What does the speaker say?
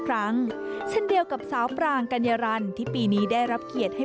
ครั้งเช่นเดียวกับสาวปรางกัญญารันที่ปีนี้ได้รับเกียรติให้